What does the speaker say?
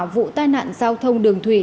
vụ tai nạn giao thông đường thủy